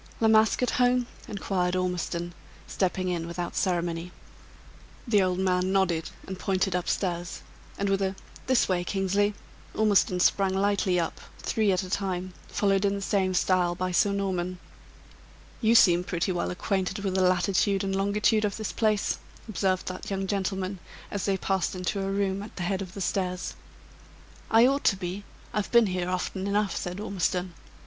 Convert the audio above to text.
"La Masque at home?" inquired Ormiston, stepping in, without ceremony. The old man nodded, and pointed up stairs; and with a "This way, Kingsley," Ormiston sprang lightly up, three at a time, followed in the same style by Sir Norman. "You seem pretty well acquainted with the latitude and longitude of this place," observed that young gentleman, as they passed into a room at the head of the stairs. "I ought to be; I've been here often enough," said Ormiston.